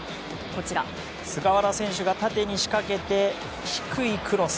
菅原選手が縦に仕掛けて低いクロス。